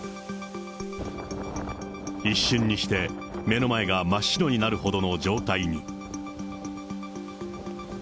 一瞬にして目の前が真っ白になるほどの状態に。